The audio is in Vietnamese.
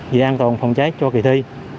về an toàn phòng cháy cho kỳ thi